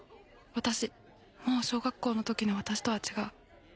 私もう小学校の時の私とは違う。